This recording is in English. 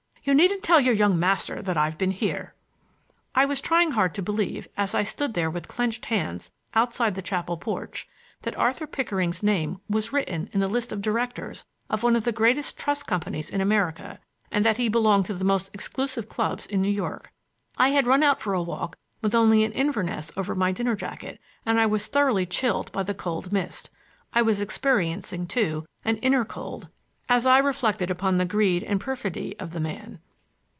You needn't tell your young master that I've been here." I was trying hard to believe, as I stood there with clenched hands outside the chapel porch, that Arthur Pickering's name was written in the list of directors of one of the greatest trust companies in America, and that he belonged to the most exclusive clubs in New York. I had run out for a walk with only an inverness over my dinner jacket, and I was thoroughly chilled by the cold mist. I was experiencing, too, an inner cold as I reflected upon the greed and perfidy of man.